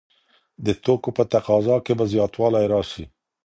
د توکو په تقاضا کي به زياتوالی راسي.